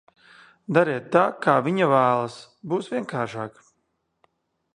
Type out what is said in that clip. Dariet tā, kā viņa vēlas, būs vienkāršāk.